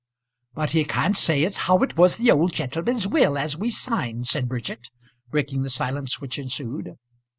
"But he can't say as how it was the old gentlemen's will as we signed," said Bridget, breaking the silence which ensued.